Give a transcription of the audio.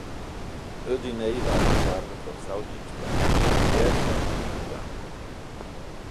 It diner waard fersoarge troch frou Hiemstra, dêrfoar tige tank.